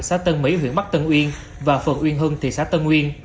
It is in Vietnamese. xã tân mỹ huyện bắc tân uyên và phường uyên hưng thị xã tân uyên